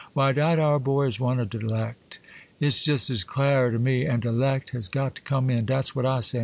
Why, dat ar' boy is one o' de 'lect,—it's jest as clare to me; and de 'lect has got to come in,—dat's what I say.